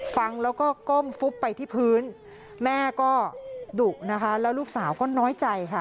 ฟังแล้วก็ก้มฟุบไปที่พื้นแม่ก็ดุนะคะแล้วลูกสาวก็น้อยใจค่ะ